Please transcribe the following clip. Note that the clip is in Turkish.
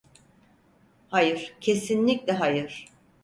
Hayır, kesinlikle hayır.